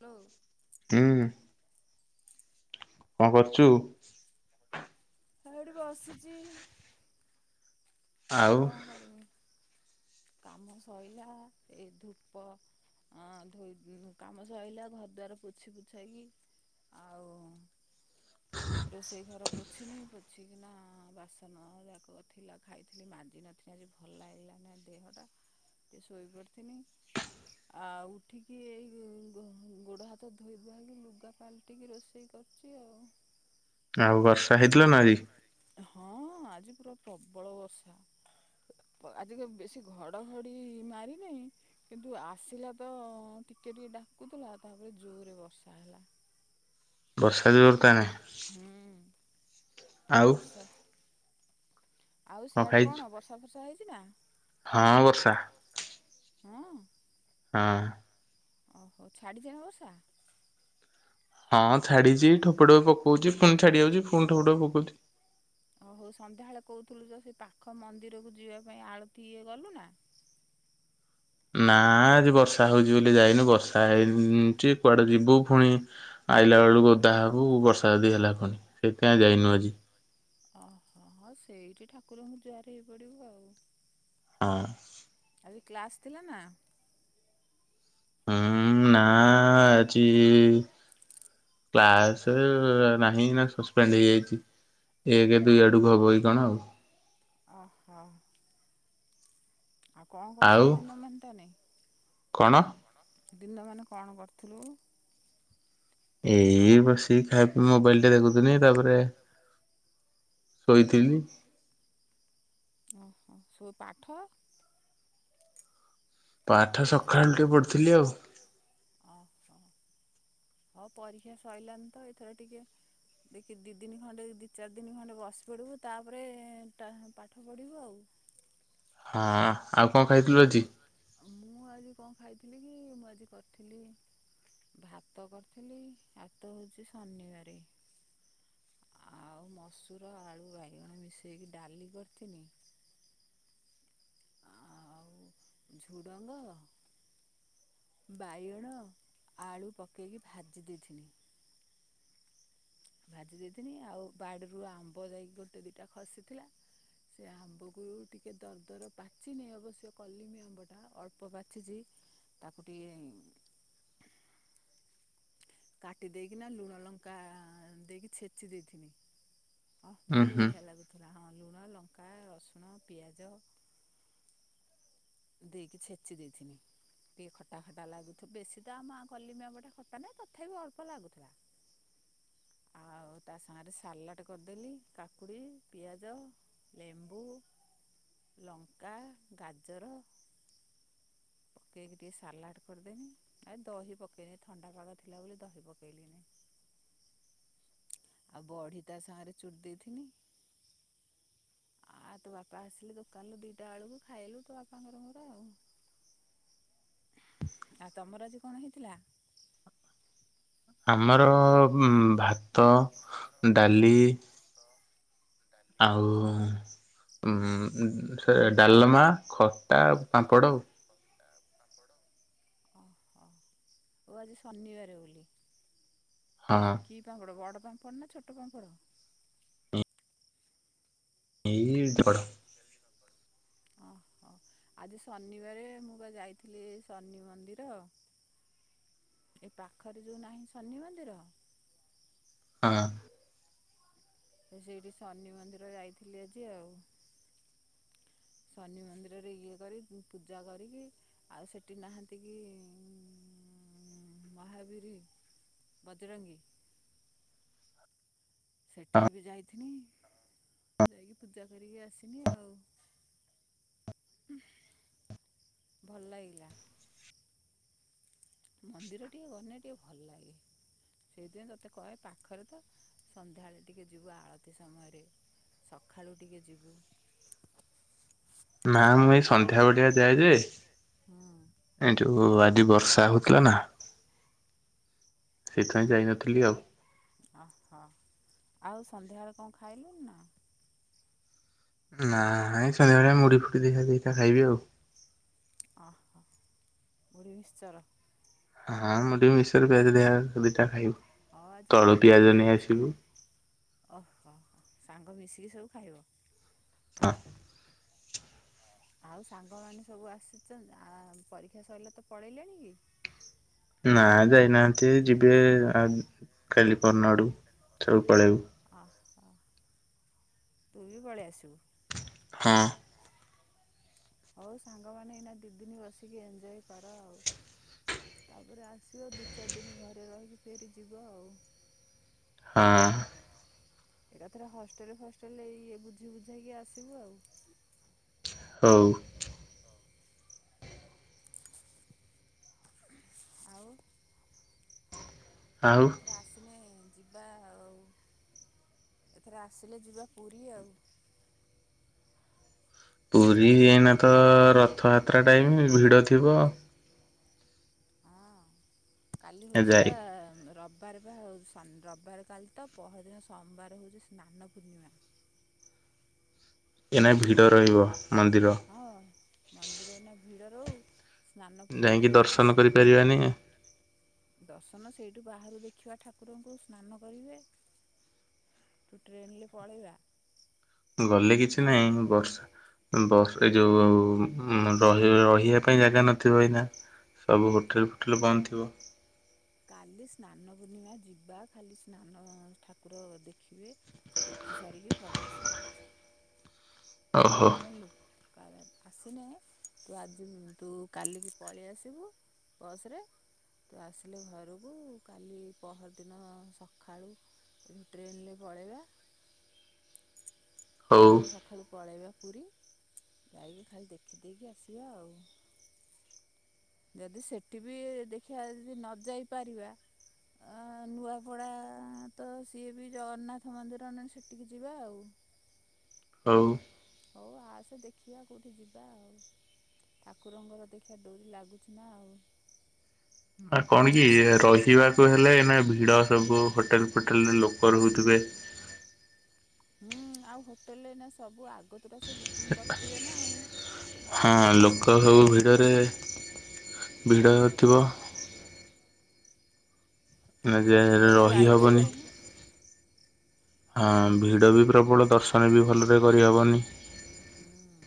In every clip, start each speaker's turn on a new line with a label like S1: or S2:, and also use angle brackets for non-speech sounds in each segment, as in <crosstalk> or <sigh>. S1: Hello.
S2: ହୁଁ। କଣ କରୁଛୁ?
S1: ଆଉ ଏଇଠି ବସିଛି। ଆଉ କଣ କରିବି କାମ ସଇଲା ଏ ଧୂପ ଅ ଧୋଇ କାମ ସଇଲା ଘର ଦ୍ୱାର ପୋଛି ପୋଛାଇକି ଆଉ ରୋଷେଇ ଘର ପୋଛିନି ପୋଛି କିିନା ବାସନ ଯାକ ଥିଲା ଖାଇଥିଲି ମାଜି ନଥିଲି ଆଜି। ଭଲ ଲାଗିଲାନ ଦେହଟା ଟିକେ ଶୋଇ ପଡିଥିନି। ଆଉ ଉଠିକି ଏଇ ଗୋଡ ହାତ ଧୋଇ ଧୋଇଆକି ଲୁଗା ପାଲଟିକି ରୋଷେଇ କରି କରୁଚି ଆଉ
S2: ଆଉ ବର୍ଷା ହେଇଥିଲା ନା ଆଜି?
S1: ହଁ ଆଜି ପୁରା ପ୍ରବଳ ବର୍ଷା। ଆଜି କାଇଁ ବେଶୀ ଘଡଘଡି ମାରିନାହିଁ। କିନ୍ତୁ ଆସିଲା ତ ଟିକେ ଟିକେ ଡାକୁଥିଲା ତାପରେ ଜୋରରେ ବର୍ଷା ହେଲା।
S2: ବର୍ଷା ଦିବର ତାହେଲେ।
S1: ହୁଁ
S2: ଆଉ
S1: ବର୍ଷ ଆଉ ସେଆଡେ ଆଉ କଣ ବ ଫସା ଫର୍ଷା ହେଇଛି ନା?
S2: ହଁ ବର୍ଷା।
S1: ହଁ।
S2: ହଁ।
S1: ଓହୋ ଛାଡ଼ିଦା ହେବ ଓଷା।
S2: ହଁ ଛାଡ଼ିଛି ଠୋପ ଠୋପ ପଉଛି ପୁଣି ଛାଡ଼ିଯାଉଛି ପୁଣି ଠୋ ଠୋ ପକଉଛି।
S1: ଓ ହଉ ସନ୍ଧ୍ୟାବେଳେ କହୁଥିଲୁ ଯେ ସେ ପାଖ ମନ୍ଦିରକୁ ଯିବା ପାଇଁ ଆଳତି ଇଏ ଗଲୁ ନା?
S2: ନା ଆଜି ବର୍ଷା ହଉଛି ବୋଲି ଯାଇନୁ ବର୍ଷା ହେଇଛି କୁଆଡେ ଯିବୁ ପୁଣି? ଆଇଲା ବେଳକୁ ଓଦା ହେବକୁ ବର୍ଷା ଯଦି ହେଲା ପୁଣି ସେଇଥିପାଇଁ ଯାଇନୁ ଆଜି।
S1: ଓହୋ ସେଇଠି ଠାକୁରଙ୍କୁ ଜୁଆର ହେଇ ପଡିବୁ ଆଉ
S2: ହଁ।
S1: ଆଜି କ୍ଲାସ ଥିଲା ନା?
S2: ହୁଁ ନା ଆଜି କ୍ଲାସ୍ ନାହିଁ ନା ସସ୍ପେଣ୍ଡ ହେଇଯାଇଛି ଏକ ଦୁଇ ଆଡ଼କୁ ହେବ ଏଇ କଣ ଆଉ?
S1: ଆହା। କଣ କରୁଛ ସେ
S2: ଆଉ
S1: ଦିନ ମତେ ତାନେ
S2: କଣ?
S1: <inaudible> ଦିନ ମାନେ କଣ କରୁଥୁଲୁ।
S2: ଏଇ ବସି ଖାଇପି ମୋବାଇଲ ଟେ ଦେଖୁଥୁନି ତାପରେ। ଶୋଇଥିଲି।
S1: ଓହୋ ସୋ ପାଠ।
S2: ପାଠ ସଖାଳୁ ଟିକେ ପଢଥିଲି ଆଉ।
S1: ଅ ହଁ ହଉ ପରୀକ୍ଷା ସଇଲାଣି ତ ଏଥର ଟିକେ। ଦେଖି ଦି ଦିନି ଖଣ୍ଡେ ଦି ଚାରି ଦିନି ଖଣ୍ଡେ ବସି ପଡ଼ିବୁ ତାପରେ ଏଟା ପାଠ ପଢ଼ିବୁ ଆଉ।
S2: ହଁ ଆଉ କଣ ଖାଇଥୁଲୁ ଆଜି?
S1: ମୁଁ ଆଜି କଣ ଖାଇଥିଲି କି ମୁଁ ଆଜି କରିଥିଲି। ଭାତ କରିଥିଲି ଆତ ହଉଛି ଶନିବାରେ। ଆଉ ମସୁର ଆଳୁ ବାଇଗଣ ମିଶେଇକି ଡାଲି କରିଥିନି। ଆଉ ଝୁଡ଼ଙ୍ଗ। ବାଇଗଣ ଆଳୁ ପକେଇକି ଭାଜି ଦେଇଥିନି। ଭାଜି ଦେଇଥିନି ଆଉ ବାଡ଼ିରୁ ଆମ୍ବ ଯାଇ ଗୋଟେ ଦିଟା ଖସିଥିଲା। ସେ ଆମ୍ବକୁ ଟିକେ ଦରଦର ପାଚିନି ଅବଶ୍ୟ କଲିମି ଆମ୍ବଟା ଅଳ୍ପ ପାଚଚି। ତାକୁ ଟିଏ। କାଟି ଦେଇକିନା ଲୁଣ ଲଙ୍କା ଦେଇକି ଛେଚି ଦେଇଥିନି। ହଁ
S2: ଉଁ
S1: ଭାରି
S2: ହୁଁ
S1: ବଢ଼ିଆ ଲାଗୁଥିଲା ହଁ ଲୁଣ ଲଙ୍କା ରସୁଣ ପିଆଜ। ଦେଇକି ଛେଚି ଦେଇଥିନି। ଟି ଖଟା ଖଟା ଲାଗୁଥୁ ବେଶୀ ତ ଆମ କଲିମି ଆମ୍ବଟା ଖଟା ନାହିଁ ତଥାପି ଅଳ୍ପ ଲାଗୁଥୁଲା।
S2: ହ
S1: ଆଉ ତା ସାଗରେ ସାଲାଟ କରିଦେଲି କାକୁଡ଼ି ପିଆଜ। ଲେମ୍ବୁ ଲଙ୍କା ଗାଜର ପକେଇକି ଟିକେ ସାଲାଟ କରିଦେନି। ଆ ଦହି ପକେଇ ଥଣ୍ଡା ପାଗ ଥିଲା ବୋଲି ଦହି ପକେଇଲିନି। ଆଉ ବଢି ତା ସାଙ୍ଗରେ ଚୁରି ଦେଇଥିନି। ଆଉ ତୋ ବାପା ଆସିଲେ ଦୋକାନରୁ ଦିଟା ବଳକୁ ଖାଇଲୁ ତୋ ବା <unintelligible> ଆଉ ଆଉ ତମର ଆଜି କଣ ହେଇଥିଲା।
S2: ଆମର ଉଁ ଭାତ ଡାଲି।
S1: ତ ଟାଲ।
S2: ଆଉ ଉଁ ସେ ଡାଲମା ଖଟା ପାମ୍ପଡ଼ ଉ।
S1: ଆ ପାମ୍ପଡ ଅ ଅ ଓ ଆଜି ଶନିବାର ବୋଲି।
S2: ହଁଁ।
S1: କି ପାମ୍ପଡ଼ ବଡ଼ ପାମ୍ପଡ଼ ନା ଛୋଟ ପାମ୍ପଡ଼।
S2: ଏଇ <unintelligible>
S1: ଓହୋ ଆଜି ଶନିବାରେ ମୁଁ ବା ଯାଇଥିଲି ଶନି ମନ୍ଦିର। ଏ ପାଖରେ ଯେଉ ନାହିଁ ଶନି ମନ୍ଦିର।
S2: ହଁ।
S1: ସେ ସେଇଠି ଶନି ମନ୍ଦିର ଯାଇଥିଲି ଆଜି ଆଉ। ଶନି ମନ୍ଦିରରେ ଇଏ କରି ପୁ ପୂଜା କରିକି। ଆଉ ସେଠି ନାହାନ୍ତି କି ଉଁ ମହାବୀରି। ବଜରଙ୍ଗୀ। ସେଠିକି ବି ଯାଇଥିନି ଯାଇକି ପୂଜା କରିକି ଆସିନି ଆଉ। ଭଲ ଲାଗିଲା। ମନ୍ଦିର ଟିକେ ଗନେ ଟିକେ ଭଲ ଲାଗେ। ସେଇଥିପାଇଁ ତୋତେ କହେ ପାଖରେ ତ ସନ୍ଧ୍ୟାବେଳେ ଟିକେ ଯିବୁ ଆଳତୀ ସମୟରେ ସକାଳୁ ଟିକେ ଯିବୁ।
S2: ନା ମୁଁ ଏଇ ସ ଏଠା ବଢଆ ଯାଏ ଯେ
S1: ହୁଁ
S2: ଏ ଯୋ ଆଜି ବର୍ଷା ହଉଥିଲା ନା ସେଇଥିପାଇଁ ଯାଇନଥିଲି ଆଉ।
S1: ଓହୋ ଆଉ ସନ୍ଧ୍ୟାବେଳେ କଣ ଖାଇଲୁଣି ନା?
S2: ନାଁ ଏ ସନ୍ଧ୍ୟାବେଳେ ମୁଢ଼ି ଫୁଡ଼ି <unintelligible> ଦିଟା ଖାଇବି ଆଉ।
S1: ଓ ହୋ ମୁଢ଼ି ମିକ୍ସଚର
S2: ହଁ ମୁଁ ଟିକି ବିଶରେ ପିଆଜ ଦିଆ ଦିଟା ଖାଇବୁ।
S1: ହଁ ଆଜି
S2: ତଳୁ
S1: ପାଗ
S2: ପିଆଜ ନେଇ
S1: ଦେଇଛି
S2: ଆସିବୁ।
S1: ଆଉ ଓହ ସାଙ୍ଗ ମିଶିକି ସବୁ ଖାଇବ।
S2: ହ
S1: ଆଉ ସାଙ୍ଗମାନେ ସବୁ ଆସୁଚ ଆ ପରୀକ୍ଷା ସଇଲେ ତ ପଳେଇଲେଣି କି।
S2: ନା ଯାଇନାହାନ୍ତି ଯିବେ ଆ କାଲି ପହର୍ଦିନ ଆଡ଼କୁ ସବୁ ପଳେଇବେ।
S1: ଅ ଅ ତୁ ବି ପଳେଇ ଆସିବୁ।
S2: ହଁ
S1: ହଉ ସାଙ୍ଗମାନେ ଏଇନା ଦି ଦିନ ବସିକି ଏଞ୍ଜୟେ କର ଆଉ। ତାପରେ ଆସିବ ଦି ଚାରି ଦିନ ଘରେ ରହିକି ଫେରି ଯିବ ଆଉ।
S2: ହଁ
S1: ଏଇଟା ଥରେ ହଷ୍ଟେଲ ଫଷ୍ଟେଲଇ ବୁଝି ବୁଝେଇକି ଆସିବୁ ଆଉ।
S2: ହଉ
S1: ଆଉ
S2: ଆଉ
S1: ଆସନେ ଯିବା ଆଉ ଏଥର ଆସିଲେ ଯିବା ପୁରୀ ଆଉ।
S2: ପୁରୀ
S1: ଜାଣିଲୁ
S2: ଏଇନା ତ ରଥଯାତ୍ରା ଟାଇମ୍ ଭିଡ଼ ଥିବ।
S1: ହଁ କାଲି ହଉଛି ବା
S2: ଯାଇ
S1: ର ରବିବାର ବା ଆଉ ରବିବାର କାଲି ତ ପହର ଦିନ ସୋମବାର ହେଉଛି ସ୍ନାନ ପୂର୍ଣ୍ଣିମା।
S2: ଏଇନା
S1: ଚାଲିବୁ
S2: ଭିଡ଼
S1: ନା
S2: ରହିବ ମନ୍ଦିର।
S1: ହଁ ମନ୍ଦିର ଏଇନା ଭିଡ ରହୁ ସ୍ନାନ ପୂର୍ଣ୍ଣିମା
S2: ଯାଇକି
S1: ଟିକେ
S2: ଦର୍ଶନ
S1: ଯିବା ଦେ
S2: କରିପାରିବାନି
S1: ଦର୍ଶନ ସେଇଠୁ ବାହାରୁ ଦେଖିବା ଠାକୁରଙ୍କୁ ସ୍ନାନ କରିବେ। ଟ୍ରେନରେ ପଳେଇବା।
S2: ତୁ ଗଲେ କିଛି
S1: ଜାଣିଲୁ
S2: ନାହିଁ ବର୍ଷା ବସ୍ ଏ ଯୋଉ ର ରହିବା ପାଇଁ ଜାଗା ନଥିବ ଏଇନା ସବୁ ହୋଟେଲ ଫୋଟେଲ୍ ବନ୍ଦ ଥିବ।
S1: କାଲି ସ୍ନାନ ପୂର୍ଣ୍ଣିମା ଯିବା ଖାଲି ସ୍ନାନ ଠାକୁର ଦେଖିବେ ଦେଖି ସାରିକି ପଳେଇ ଆସିବା।
S2: ଓହୋ।
S1: ଜାଣିଲୁ କା ଆସିନେ ତୁ ଆଜି ତୁ କାଲିକି ପଳେଇ ଆସିବୁ। ବସ୍ ରେ ତୁ ଆସିଲେ ଘରକୁ କାଲି ପହରଦିନ ସକାଳୁ ଟ୍ରେନରେ ପଳେଇବା।
S2: <inaudible>
S1: ଟ୍ରେନରେ ସଖାଳୁ ପଳେଇବା ପୁରୀ ଯାଇକି ଖାଲି ଦେଖିଦେଇକି ଆସିବା ଆଉ। ଯଦି ସେଠି ବି ଦେଖିବା ଯଦି ନ ଯାଇପାରିବା। ଆ ନୂଆପଡ଼ା ତ ସିଏ ବି ଜଗନ୍ନାଥ ମନ୍ଦିର ନହେନେ ସେଠିକି ଯିବା ଆଉ।
S2: ହଉ।
S1: ହଉ ଆସେ ଦେଖିବା କୋଉଠି ଯିବା ଆଉ। ଠାକୁରଙ୍କର ଦେଖିବା ଡୋରି ଲାଗୁଚି ନା ଆଉ।
S2: ଆ କଣ କି
S1: ଆଉ ସେ
S2: ରହି ହିବାକୁ ହେଲେ ଏଇନା ଭିଡ଼ ସବୁ ହୋଟେଲ୍ ଫୋଟେଲ୍ରେ ଲୋକ ରହୁଥିବେ।
S1: ହୁଁ ଆଉ ହୋଟେଲରେ ଏଇନା ସବୁ ଆଗତୁରା ସେ ବୁକିଂ କରିଥିବେ ନା ଆଉ।
S2: ହଁ ଲୋକ ସବୁ ଭିଡ଼ରେ।
S1: ଯାଇ
S2: ଭିଡ଼ ଥିବ
S1: ହବନାଇଁ। ନା
S2: ଯେ
S1: ଭିଡ଼ରେ
S2: ରହିହବନି।
S1: ଯାଇପାରିବେନି
S2: ହଁ ଭିଡ଼ ବି ପ୍ରବଳ ଦର୍ଶନ ବି ଭଲରେ କରିହେବନି।
S1: ହୁଁ।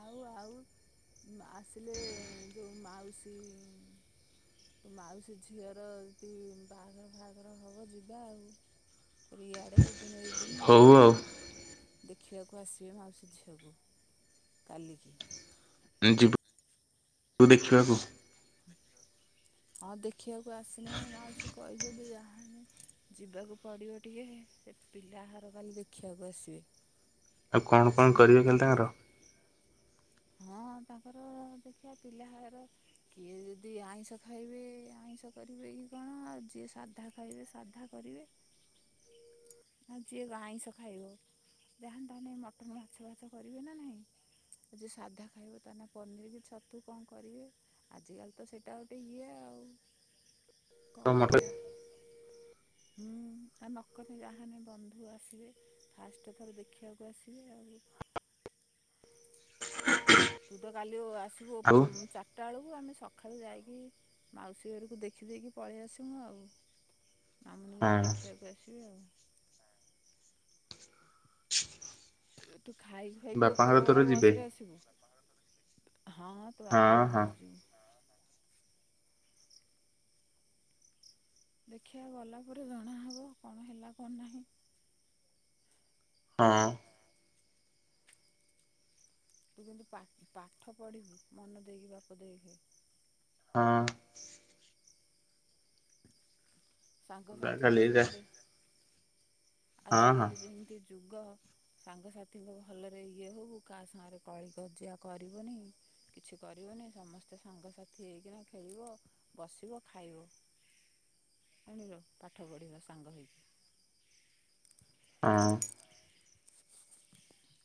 S1: ଆଉ ଆଉ ଆସିଲେ ଯେଉଁ ମାଉସୀ। ତୋ ମାଉସୀ ଝିଅର ଯଦି ବାହାଘର ଫାହାଘର ହବ ଯିବା ଆଉ। ରିଆଡେ ଏଇ ଦିନ ଏଇ ଦିନ
S2: ହଉ ଆଉ
S1: ଦେଖିବାକୁ ଆସିବେ ମାଉସୀ ଝିଅକୁ। କାଲି କି।
S2: ଏ ଯିବୁୁ ତୁ ଦେଖିବାକୁ।
S1: ଦେଖିବାକୁ। ହଁ ଦେଖିବାକୁ ଆସିନେ ମାଉସୀ କହେ ଯଦି ଯାହାହେଲେ ଯିବାକୁ ପଡ଼ିବ ଟିକେ। ପିଲା ଘର କାଲି ଦେଖିବାକୁ ଆସିବେ।
S2: ଆଉ କଣ କଣ କରିବେ
S1: ଆସିଲେ
S2: କରିବେ କାଲି
S1: ଯିବା
S2: ତାଙ୍କର?
S1: ହଁ ତାଙ୍କର ଦେଖିଆ ପିଲା ହାର କିଏ ଯଦି ଆଇଁଷ ଖାଇବେ ଆଇଁଷ କରିବେ କି କଣ ଆଉ ଯିଏ ସାଧା ଖାଇବେ ସାଧା। କରିବେ।
S2: <inaudible>
S1: ଆଉ ଯିଏ ଆଇଁଷ ଖାଇବ ଯାହେଲେ ତାନାଇଁ‌ ମଟନ୍ ମାଛବାଛ କରିବେ ନା ନାହିଁ। ଆଉ ଯିଏ ସାଧା ଖାଇବ ତା ନାଗି ପନିର, ଛତୁ କଁ କରିବେ। ଆଜିକାଲି ତ ସେଟା ଗୋଟେ ଇଏ ଆଉ।
S2: <inaudible>
S1: କଁ କରିବା ହୁଁ ଆ ନକଲେ ରାହା ନାହିଁ ବନ୍ଧୁ ଆସିବେ। ଫାଷ୍ଟ ଥର ଦେଖିବାକୁ ଆସିବେ ଆଉ ତୁ ତ କାଲି ଆସିବୁ ଉଁ
S2: ଆଉ
S1: ଚାରିଟା ବେଳକୁ ଆମେ ସଖାଳୁ‌ ଯାଇକି ମାଉସୀ ଘରକୁ ଦେଖିଦେଇକି ପଳେଇ ଆସିମୁ ଆଉ। ମାମୁନିକୁ ଯୋଉ
S2: ହଁ
S1: ଦେଖିବାକୁ ଆସିବେ ଆଉ। ତୁ ଖାଇକି ଖୁଆଇକି
S2: ବାପାଙ୍କର
S1: ଉପର
S2: ତୋର
S1: ବଳା
S2: ଯିବେ
S1: ବସରେ ଆସିବୁ? ହଁ। ତୋ
S2: ହଁ
S1: ବାପାଙ୍କର ମୋର
S2: ହଁ
S1: <unintelligible> ଦେଖିବା ଗଲା ପରେ ଜଣାହେବ କଣ ହେଲା କନ୍ ନାହିଁ।
S2: ହଁ।
S1: ତୁ କିନ୍ତୁ ପା ପାଠ ପଢ଼ିବୁ ମନ ଦେଇକି ବାପ ଦେଖେ।
S2: ହଁ। କାଲି
S1: ସାଙ୍ଗସାଥିଙ୍କ ସାଙ୍ଗରେ
S2: ହଁ ହଁ
S1: ଆଜିକାଲି ଯେମିତି ଯୁଗ ସାଙ୍ଗସାଥିୀଙ୍କ ଭଲରେ ଇଏ ହଉ କାହା ସାଙ୍ଗରେ କଳି କଜିଆ କରିବୁନି କିଛି କରିବନି ସମସ୍ତେ ସାଙ୍ଗସାଥି ହେଇକିନା ଖେଳିବ ବସିବ, ଖାଇବ, ଖେଳିବ ପାଠ ପଢ଼ିବା ସାଙ୍ଗ ହେଇକି।
S2: ହଁ।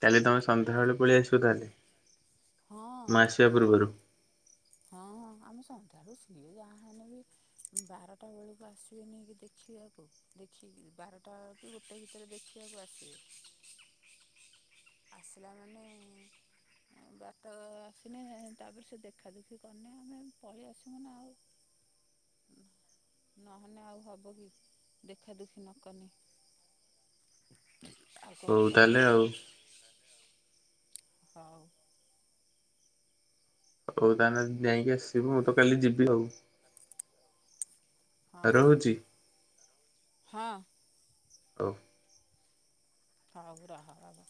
S2: କାଲି ତମେ ସଂଧ୍ୟାବେଳେ ପଳେଇ ଆସିବ ତାହେଲେ?
S1: ହଁ
S2: ମୁଁ ଆସିବା
S1: ଆମେ କାଲି
S2: ପୂର୍ବରୁ
S1: ତ ହଁ ଆମେ ସନ୍ଧ୍ୟାରୁ ସିଏ ଯାହା ହେଲେ ବି ବାରଟା ବେଳକୁ ଆସିବେ ନେ କି ଦେଖିବାକୁ। ଦେଖିକି ବାରଟା କି ଗୋଟେ ଭିତରେ ଦେଖିବାକୁ ଆସିବେ। ଆସିଲା ମାନେ ଆଉ ବାଟ ଆସିନି ତାପରେ ସେ ଦେଖାଦୁଖି କରିନେ ଆମେ ପଳେଇ ଆସିବୁ ନା ଆଉ। ନ ନହେନେ ଆଉ ହବ କି ଦେଖା ଦୁଖି ନକନେ।
S2: ହଉ
S1: କରିବା
S2: ତାହେଲେ ଆଉ।
S1: ହେନାନି ଆଉ। ହଉ।
S2: ହଉ ତାହେଲେ ଯାଇକି ଆସିବୁ ମୁଁ ତ କାଲି ଯିବି ଆଉ।
S1: ହଁ
S2: ରହୁଛି।
S1: ହଁ।
S2: ହଉ।
S1: ହଉ ରହ ରହ।